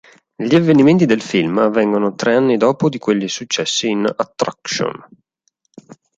Gli avvenimenti del film avvengono tre anni dopo di quelli successi in "Attraction".